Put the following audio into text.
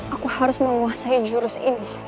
aku harus menguasai jurus ini